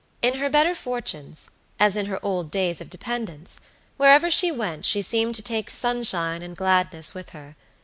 In her better fortunes, as in her old days of dependence, wherever she went she seemed to take sunshine and gladness with her.